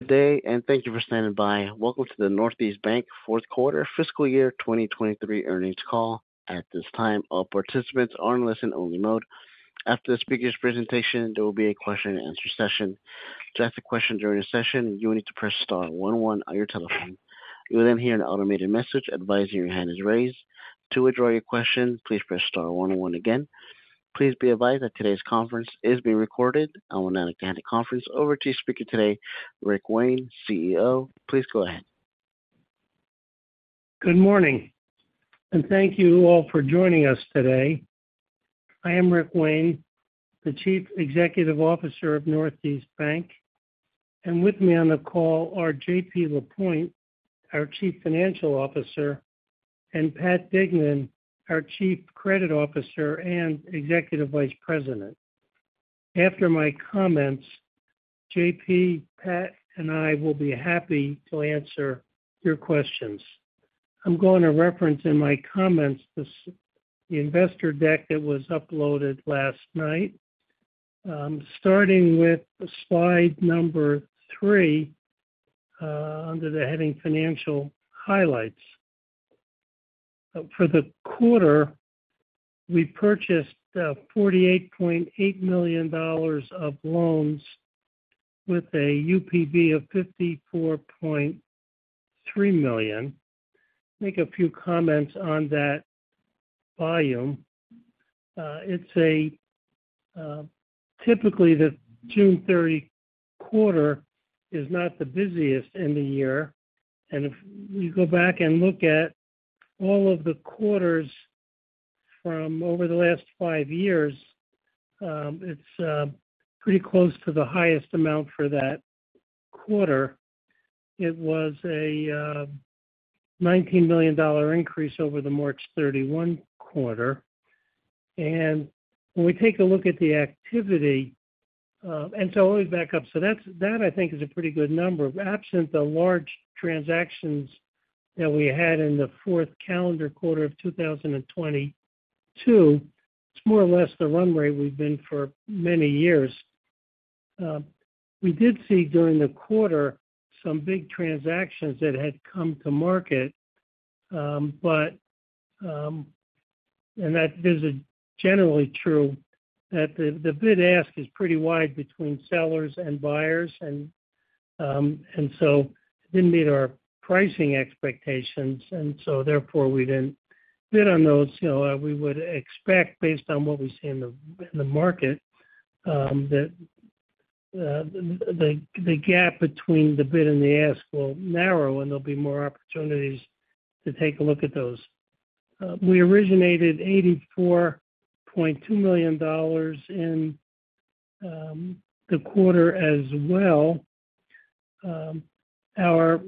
Good day, and thank you for standing by. Welcome to the Northeast Bank Fourth Quarter Fiscal Year 2023 Earnings Call. At this time, all participants are in listen-only mode. After the speaker's presentation, there will be a question-and-answer session. To ask a question during the session, you will need to press star one one on your telephone. You will then hear an automated message advising your hand is raised. To withdraw your question, please press star one one again. Please be advised that today's conference is being recorded. I will now hand the conference over to speaker today, Rick Wayne, CEO. Please go ahead. Good morning, thank you all for joining us today. I am Rick Wayne, the Chief Executive Officer of Northeast Bank. With me on the call are JP Lapointe, our Chief Financial Officer, and Pat Dignan, our Chief Credit Officer and Executive Vice President. After my comments, JP, Pat, and I will be happy to answer your questions. I'm going to reference in my comments the investor deck that was uploaded last night. Starting with slide number three, under the heading Financial Highlights. For the quarter, we purchased $48.8 million of loans with a UPB of $54.3 million. Make a few comments on that volume. It's a, typically, the June 30 quarter is not the busiest in the year, and if you go back and look at all of the quarters from over the last five years, it's, pretty close to the highest amount for that quarter. It was a $19 million increase over the March 31 quarter. When we take a look at the activity. Let me back up. That's, that I think is a pretty good number. Absent the large transactions that we had in the fourth calendar quarter of 2022, it's more or less the run rate we've been for many years. We did see during the quarter some big transactions that had come to market, but, and that is generally true, that the bid-ask is pretty wide between sellers and buyers, and so it didn't meet our pricing expectations, and so therefore, we didn't bid on those. You know, we would expect, based on what we see in the market, that the gap between the bid and the ask will narrow and there'll be more opportunities to take a look at those. We originated $84.2 million in the quarter as well. Our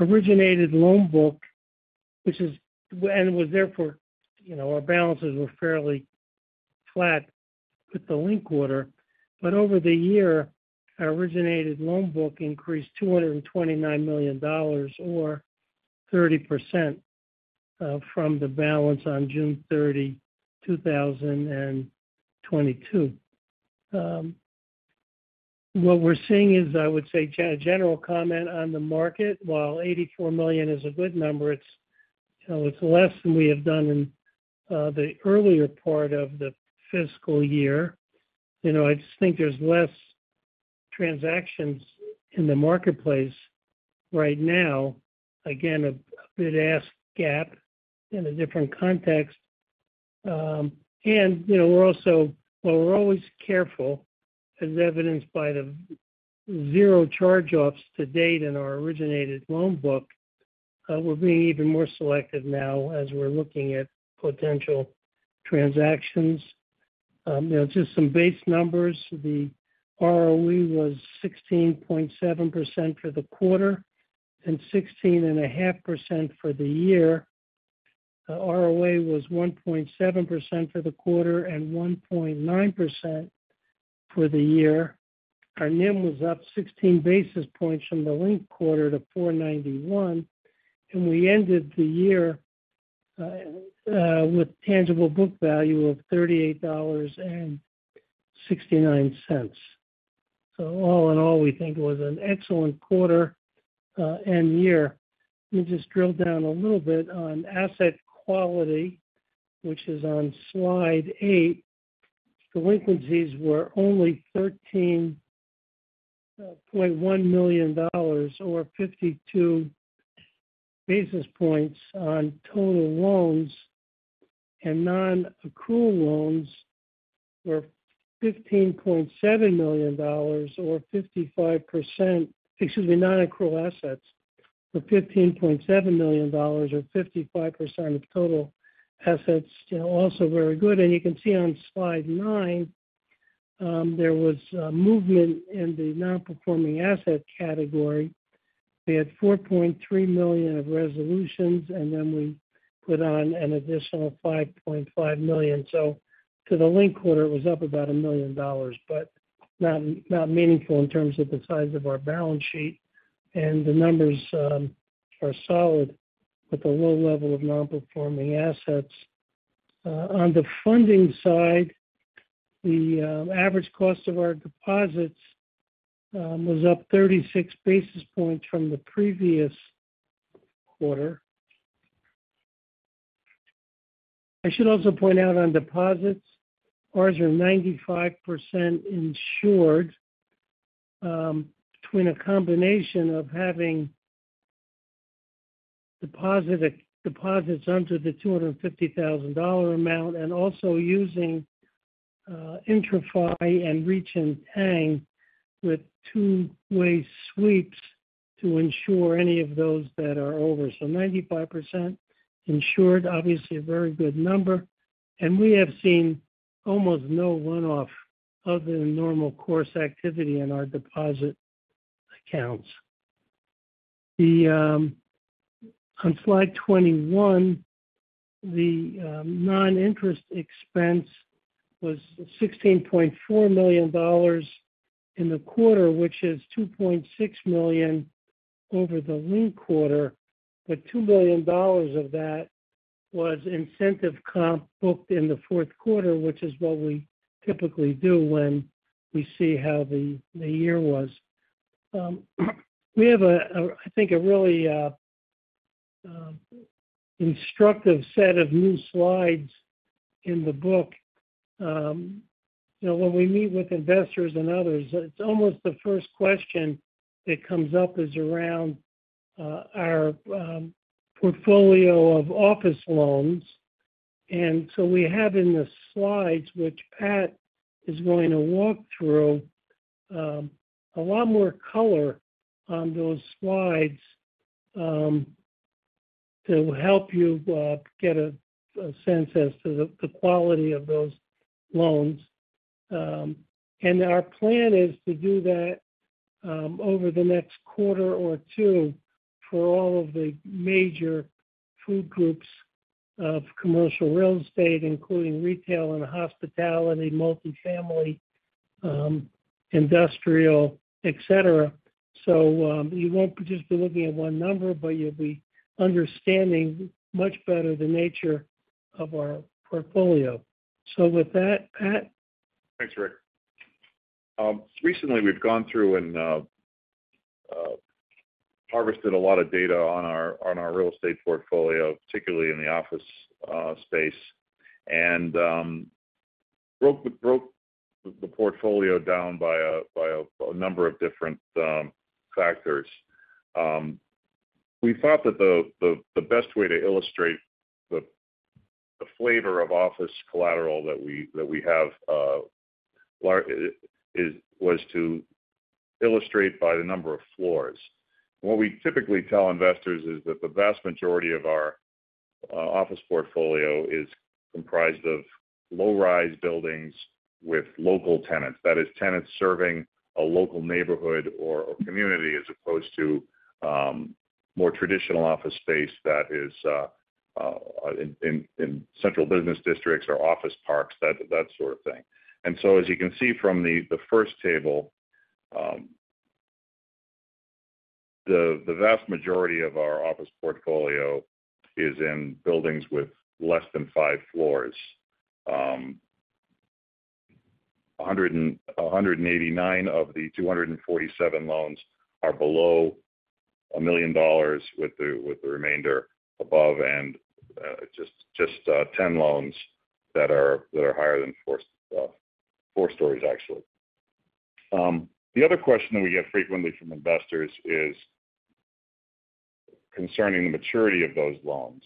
originated loan book, was therefore, you know, our balances were fairly flat with the linked quarter, but over the year, our originated loan book increased $229 million or 30% from the balance on June 30, 2022. What we're seeing is, I would say, a general comment on the market. While $84 million is a good number, it's, you know, it's less than we have done in the earlier part of the fiscal year. You know, I just think there's less transactions in the marketplace right now. Again, a bid-ask gap in a different context. You know, we're also, while we're always careful, as evidenced by the zero charge-offs to date in our originated loan book, we're being even more selective now as we're looking at potential transactions, you know, just some base numbers. The ROE was 16.7% for the quarter and 16.5% for the year. The ROA was 1.7% for the quarter and 1.9% for the year. Our NIM was up 16 basis points from the linked quarter to 491, and we ended the year with tangible book value of $38.69. All in all, we think it was an excellent quarter and year. Let me just drill down a little bit on asset quality, which is on slide eight. Delinquencies were only $13.1 million, or 52 basis points on total loans, and non-accrual assets for $15.7 million, or 55% of total assets. You know, also very good. You can see on slide nine, there was a movement in the non-performing asset category. We had $4.3 million of resolutions, and then we put on an additional $5.5 million. To the link quarter, it was up about $1 million, but not meaningful in terms of the size of our balance sheet. The numbers are solid with a low level of non-performing assets. On the funding side. The average cost of our deposits was up 36 basis points from the previous quarter. I should also point out on deposits, ours are 95% insured, between a combination of having deposits under the $250,000 amount and also using IntraFi and reciprocal with two-way sweeps to ensure any of those that are over. 95% insured, obviously a very good number, and we have seen almost no one-off other than normal course activity in our deposit accounts. On slide 21, the non-interest expense was $16.4 million in the quarter, which is $2.6 million over the linked quarter. $2 million of that was incentive comp booked in the fourth quarter, which is what we typically do when we see how the year was. We have a, I think, a really instructive set of new slides in the book. You know, when we meet with investors and others, it's almost the first question that comes up is around our portfolio of office loans. We have in the slides, which Pat is going to walk through, a lot more color on those slides, to help you get a sense as to the quality of those loans. Our plan is to do that, over the next quarter or two for all of the major food groups of commercial real estate, including retail and hospitality, multifamily, industrial, et cetera. You won't just be looking at one number, but you'll be understanding much better the nature of our portfolio. With that, Pat? Thanks, Rick. Recently we've gone through and harvested a lot of data on our real estate portfolio, particularly in the office space, and broke the portfolio down by a number of different factors. We thought that the best way to illustrate the flavor of office collateral that we have was to illustrate by the number of floors. What we typically tell investors is that the vast majority of our office portfolio is comprised of low-rise buildings with local tenants. That is, tenants serving a local neighborhood or a community, as opposed to more traditional office space that is in central business districts or office parks, that sort of thing. As you can see from the first table, the vast majority of our office portfolio is in buildings with less than five floors. 189 of the 247 loans are below $1 million, with the remainder above, and 10 loans that are higher than four stories, actually. The other question that we get frequently from investors is concerning the maturity of those loans.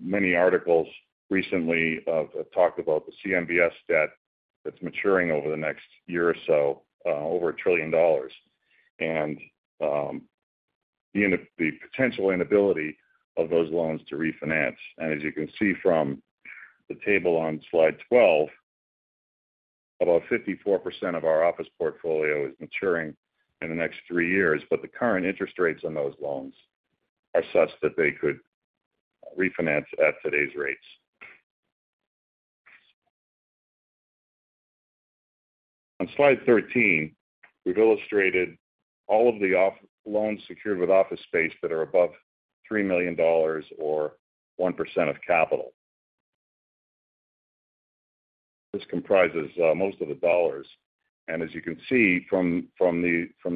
Many articles recently talked about the CMBS debt that's maturing over the next year or so, over $1 trillion, and the potential inability of those loans to refinance. As you can see from the table on slide 12, about 54% of our office portfolio is maturing in the next three years, but the current interest rates on those loans are such that they could refinance at today's rates. On slide 13, we've illustrated all of the loans secured with office space that are above $3 million or 1% of capital. This comprises most of the dollars, and as you can see from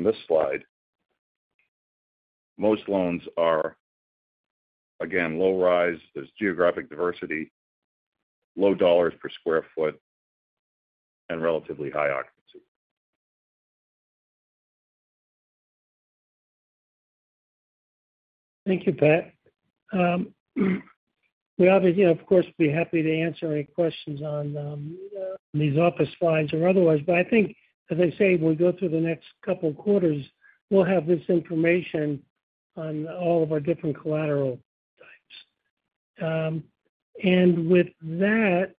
this slide, most loans are, again, low rise. There's geographic diversity, low dollars per square foot, and relatively high occupancy. Thank you, Pat. We obviously, of course, be happy to answer any questions on these office slides or otherwise, but I think, as I say, we go through the next couple of quarters, we'll have this information on all of our different collateral types. With that,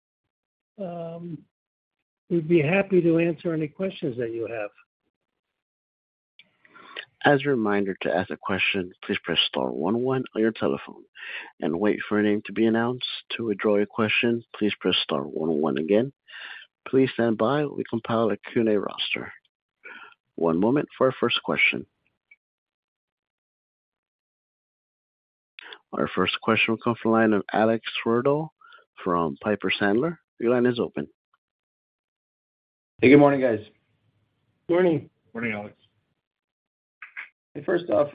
we'd be happy to answer any questions that you have. As a reminder, to ask a question, please press star one one on your telephone and wait for your name to be announced. To withdraw your question, please press star one one again. Please stand by while we compile a Q&A roster. One moment for our first question. Our first question will come from the line of Alex Twerdahl from Piper Sandler. Your line is open. Hey, good morning, guys. Morning. Morning, Alex. First off,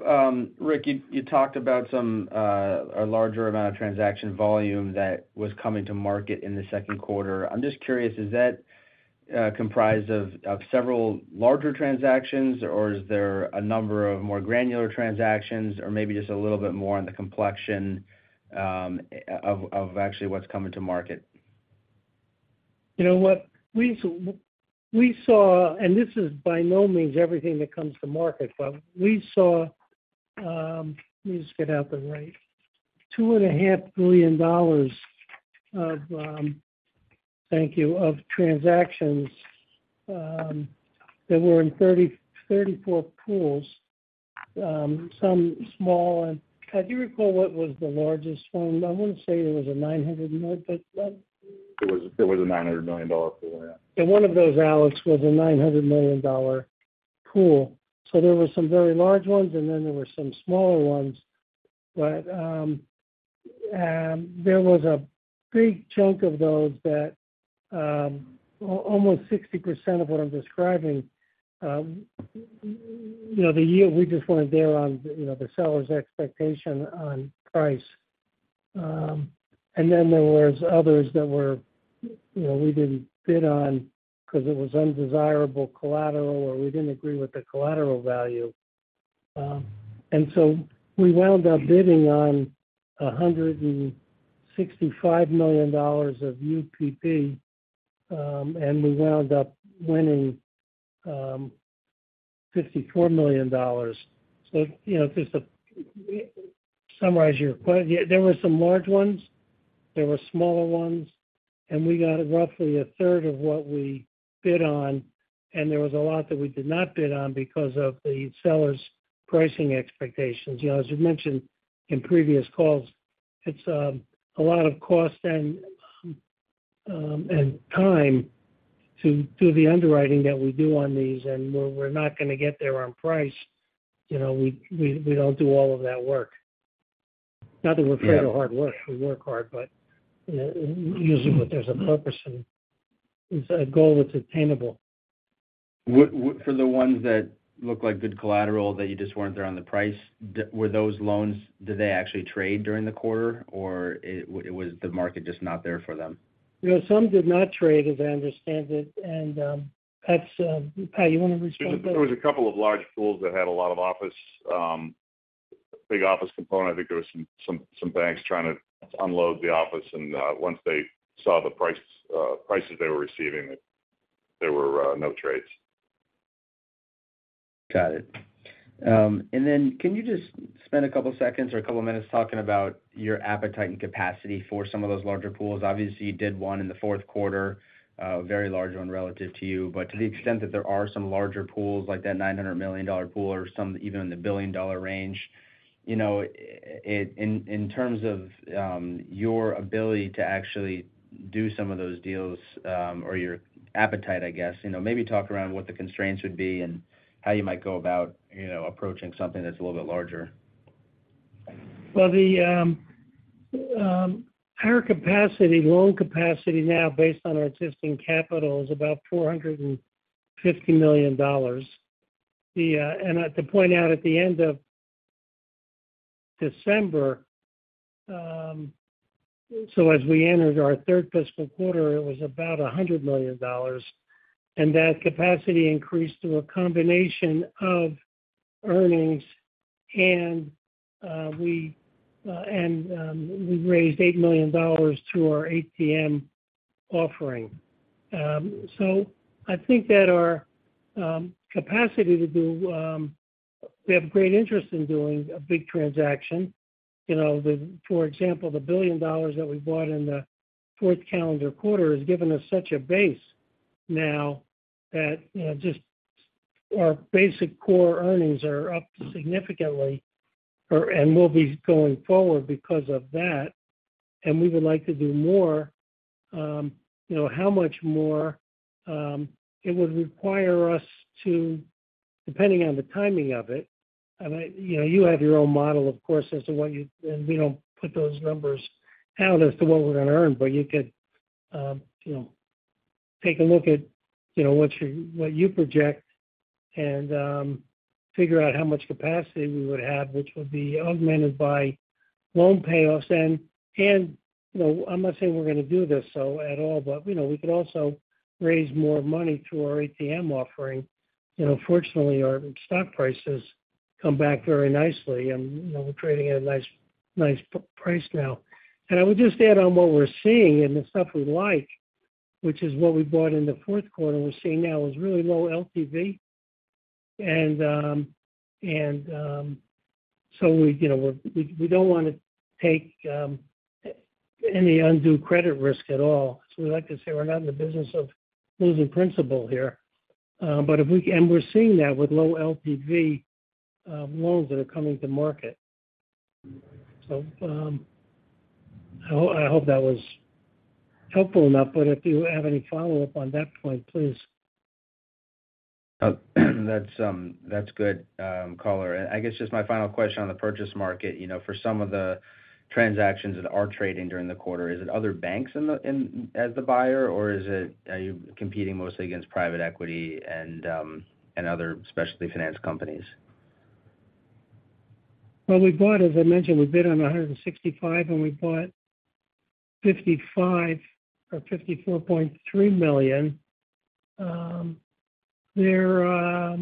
Rick, you talked about some, a larger amount of transaction volume that was coming to market in the second quarter. I'm just curious, is that comprised of several larger transactions, or is there a number of more granular transactions? Or maybe just a little bit more on the complexion, of actually what's coming to market. You know what? We saw, and this is by no means everything that comes to market, but we saw, let me just get out the right, $2.5 billion of, thank you, of transactions, that were in 34 pools, some small. Do you recall what was the largest one? I want to say it was a $900 million. It was a $900 million pool, yeah. One of those, Alex, was a $900 million pool. There were some very large ones, and then there were some smaller ones. There was a big chunk of those that almost 60% of what I'm describing the yield, we just weren't there on, you know, the seller's expectation on price. There was others that were, you know, we didn't bid on because it was undesirable collateral, or we didn't agree with the collateral value. We wound up bidding on $165 million of UPB, and we wound up winning $54 million. Just to summarize your question, yeah, there were some large ones, there were smaller ones, and we got roughly a third of what we bid on, and there was a lot that we did not bid on because of the seller's pricing expectations. You know, as you mentioned in previous calls, it's a lot of cost and time to do the underwriting that we do on these, and we're not gonna get there on price. You know, we don't do all of that work. Not that we're afraid of hard work. We work hard, but, you know, usually when there's a purpose and it's a goal that's attainable. What for the ones that look like good collateral that you just weren't there on the price, were those loans, did they actually trade during the quarter, or it was the market just not there for them? You know, some did not trade, as I understand it, and, that's, Pat, you want to respond to that? There was a couple of large pools that had a lot of office, big office component. I think there were some banks trying to unload the office, and once they saw the price, prices they were receiving, there were no trades. Got it. Then can you just spend a couple of seconds or a couple of minutes talking about your appetite and capacity for some of those larger pools? Obviously, you did one in the fourth quarter, very large one relative to you. To the extent that there are some larger pools, like that $900 million pool or some even in the billion-dollar range, you know, in terms of your ability to actually do some of those deals or your appetite, I guess, you know, maybe talk around what the constraints would be and how you might go about, you know, approaching something that's a little bit larger. Well, our capacity, loan capacity now, based on our existing capital, is about $450 million. To point out, at the end of December, so as we entered our third fiscal quarter, it was about $100 million, and that capacity increased through a combination of earnings and we and we raised $8 million to our ATM offering. I think that our capacity to do, we have great interest in doing a big transaction. You know, for example, the $1 billion that we bought in the fourth calendar quarter has given us such a base now that just our basic core earnings are up significantly and will be going forward because of that, and we would like to do more. You know, how much more? It would require us to, depending on the timing of it, I mean, you know, you have your own model, of course, as to what you. We don't put those numbers out as to what we're going to earn, but you could, you know, take a look at, you know, what you project and, figure out how much capacity we would have, which would be augmented by loan payoffs. You know, I'm not saying we're going to do this, so at all, but, you know, we could also raise more money through our ATM offering. You know, fortunately, our stock price has come back very nicely, and, you know, we're trading at a nice price now. I would just add on what we're seeing and the stuff we like, which is what we bought in the fourth quarter, we're seeing now is really low LTV. We, you know, we don't want to take any undue credit risk at all. We like to say we're not in the business of losing principal here. We're seeing that with low LTV loans that are coming to market. I hope that was helpful enough, but if you have any follow-up on that point, please. That's, that's good color. I guess just my final question on the purchase market. You know, for some of the transactions that are trading during the quarter, is it other banks as the buyer, or are you competing mostly against private equity and other specialty finance companies? We bought, as I mentioned, we bid on $165, and we bought $55 or $54.3 million. There, Pat,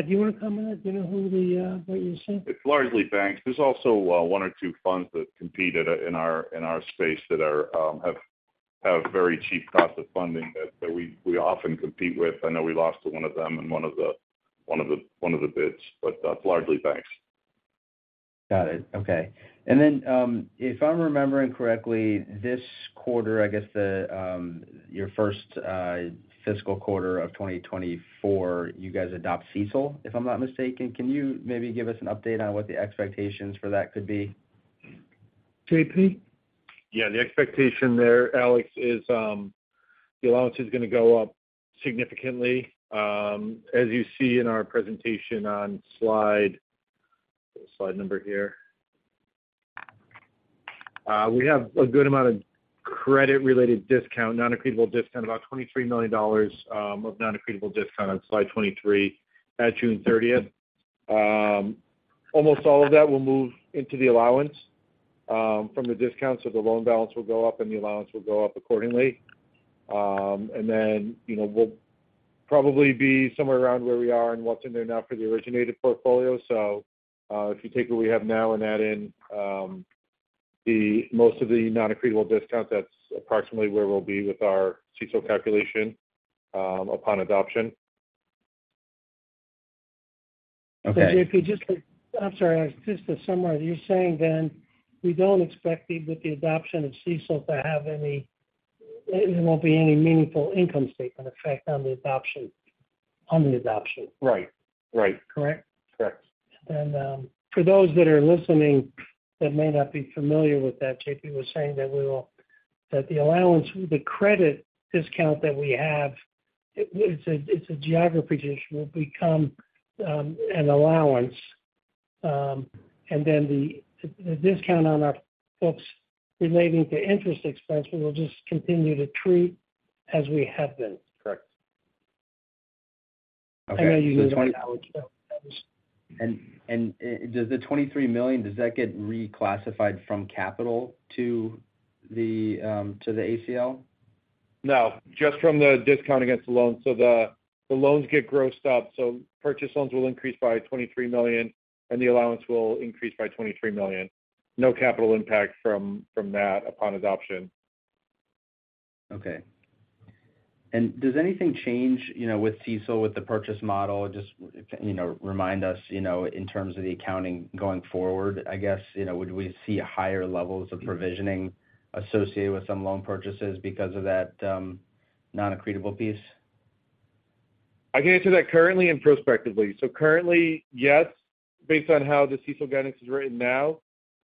do you want to comment? Do you know who the, what you see? It's largely banks. There's also, one or two funds that compete in our space that are have very cheap cost of funding that we often compete with. I know we lost to one of them in one of the bids, but that's largely banks. Got it. Okay. Then, if I'm remembering correctly, this quarter, I guess, the, your first fiscal quarter of 2024, you guys adopt CECL, if I'm not mistaken. Can you maybe give us an update on what the expectations for that could be? JP? The expectation there, Alex, is the allowance is going to go up significantly. As you see in our presentation on slide, we have a good amount of credit-related discount, non-accretable discount, about $23 million of non-accretable discount on slide 23 at June 30th. Almost all of that will move into the allowance from the discount, the loan balance will go up, and the allowance will go up accordingly. You know, we'll probably be somewhere around where we are and what's in there now for the originated portfolio. If you take what we have now and add in most of the non-accretable discount, that's approximately where we'll be with our CECL calculation upon adoption. Okay. JP, I'm sorry, just to summarize, you're saying then, we don't expect the, with the adoption of CECL there won't be any meaningful income statement effect on the adoption? Right. Right. Correct? Correct. For those that are listening that may not be familiar with that, JP was saying that the allowance, the credit discount that we have, it's a geography decision, will become an allowance. The discount on our books relating to interest expense, we will just continue to treat as we have been. Correct. Okay. I know you know that. Does the $23 million, does that get reclassified from capital to the to the ACL? No, just from the discount against the loan. The loans get grossed up, so purchase loans will increase by $23 million, and the allowance will increase by $23 million. No capital impact from that upon adoption. Okay. Does anything change, you know, with CECL, with the purchase model? Just, you know, remind us in terms of the accounting going forward, I guess, you know, would we see higher levels of provisioning associated with some loan purchases because of that, non-accretable piece? I can answer that currently and prospectively. Currently, yes, based on how the CECL guidance is written now,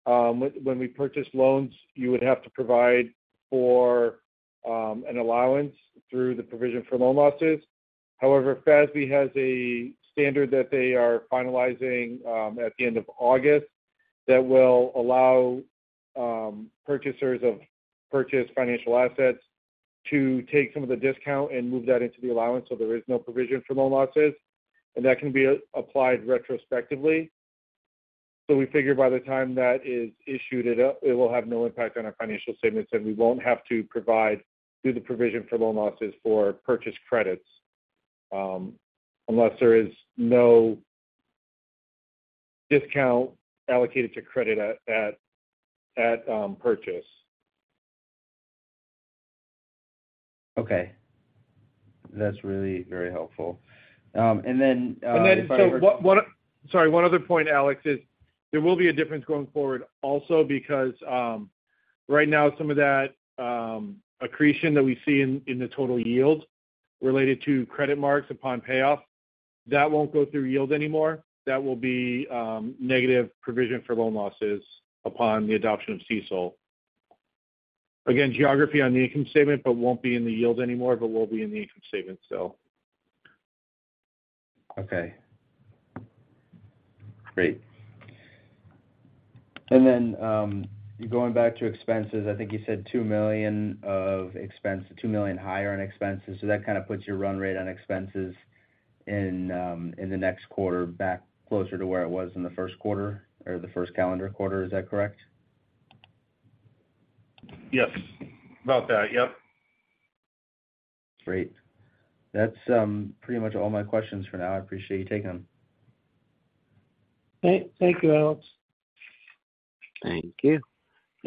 when we purchase loans, you would have to provide for an allowance through the provision for loan losses. However, FASB has a standard that they are finalizing at the end of August, that will allow purchasers of purchased financial assets to take some of the discount and move that into the allowance so there is no provision for loan losses, and that can be applied retrospectively. We figure by the time that is issued, it will have no impact on our financial statements, and we won't have to provide through the provision for loan losses for purchase credits, unless there is no discount allocated to credit at purchase. Okay. That's really very helpful. Then... One, sorry, one other point, Alex, is there will be a difference going forward also because, right now some of that accretion that we see in the total yield related to credit marks upon payoff, that won't go through yield anymore. That will be negative provision for loan losses upon the adoption of CECL. Again, geography on the income statement, but won't be in the yield anymore, but will be in the income statement, so. Okay. Great. Going back to expenses, I think you said $2 million of expense, $2 million higher on expenses. That kind of puts your run rate on expenses in the next quarter back closer to where it was in the first quarter or the first calendar quarter. Is that correct? Yes. About that. Yep. Great. That's pretty much all my questions for now. I appreciate you taking them. Thank you, Alex. Thank you.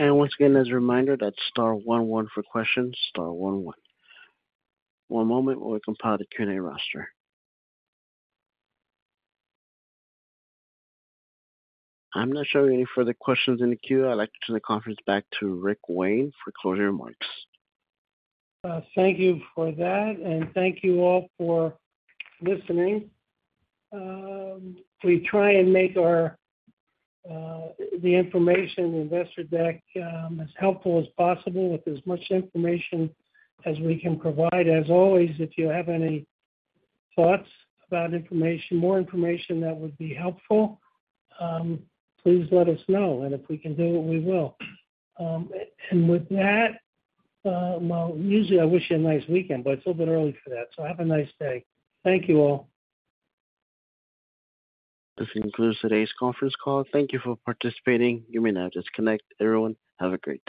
Once again, as a reminder, that's star one one for questions, star one one. One moment while we compile the Q&A roster. I'm not showing any further questions in the queue. I'd like to turn the conference back to Rick Wayne for closing remarks. Thank you for that, and thank you all for listening. We try and make our the information, investor deck, as helpful as possible with as much information as we can provide. As always, if you have any thoughts about information, more information that would be helpful, please let us know, and if we can do it, we will. With that, usually I wish you a nice weekend, but it's a little bit early for that, so have a nice day. Thank you all. This concludes today's conference call. Thank you for participating. You may now disconnect. Everyone, have a great day.